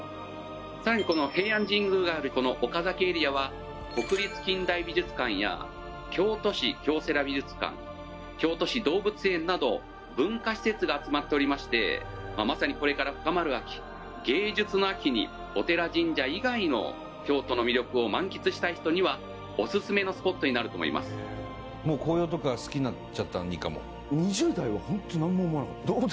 「更にこの平安神宮があるこの岡崎エリアは国立近代美術館や京都市京セラ美術館京都市動物園など文化施設が集まっておりましてまさにこれから深まる秋芸術の秋にお寺神社以外の京都の魅力を満喫したい人にはオススメのスポットになると思います」なんかああいいなって。